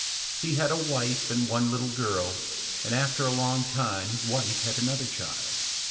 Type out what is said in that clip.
He had a wife and one little girl, and after a long time his wife had another child.